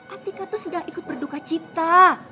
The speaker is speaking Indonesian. atika tuh sudah ikut berduka cita